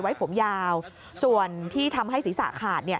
ไว้ผมยาวส่วนที่ทำให้ศีรษะขาด